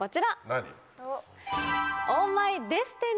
何？